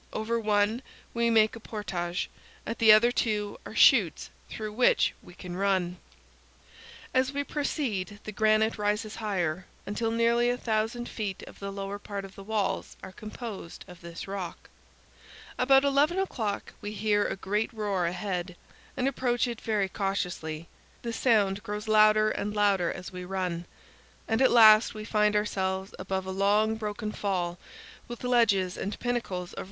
Over one we make a portage; at the other two are chutes through which we can run. As we proceed the granite rises higher, until nearly a thousand feet of the lower part of the walls are composed of this rock. powell canyons 159.jpg WALLS OF GNEISS. About eleven o'clock we hear a great roar ahead, and approach it very cautiously. The sound grows louder and louder as we run, and at last we find ourselves above a long, broken fall, with ledges and pinnacles of 250 CANYONS OF THE COLORADO.